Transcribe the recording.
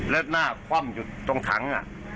แล้วหน้าคว่ำอยู่ตรงถัง